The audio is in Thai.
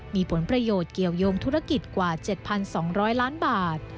มีผลประโยชน์เกี่ยวยงธุรกิจกว่า๗๒๐๐ล้านบาท